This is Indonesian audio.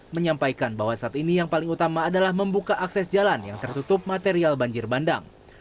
menyampaikan bahwa saat ini yang paling utama adalah membuka akses jalan yang tertutup material banjir bandang